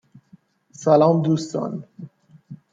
سلام دوستان